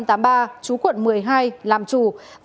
trú quận một mươi hai làm chủ